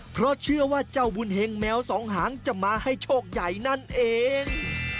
เพราะเชื่อว่าเจ้าบุญเฮงแมวสองหางจะมาให้โชคใหญ่นั่นเอง